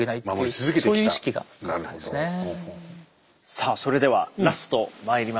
さあそれではラストまいりましょう。